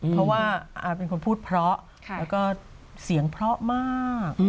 เพราะว่าอาเป็นคนพูดเพราะแล้วก็เสียงเพราะมาก